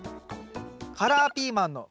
「カラーピーマンの」